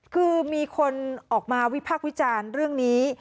คือมีคนออกมาวิพากษ์วิจารณ์เรื่องนี้